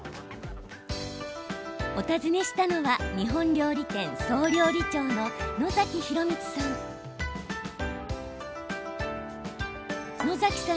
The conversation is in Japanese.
お訪ねしたのは日本料理店、総料理長の野崎洋光さん。